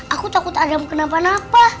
aku takut agama kenapa napa